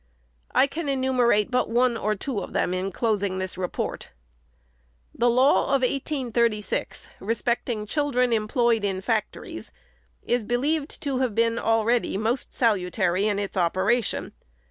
I can enumerate but one or two of them in closing this report. The law of 1836, respecting children employed in fac tories, is believed to have been already most salutary in its operation.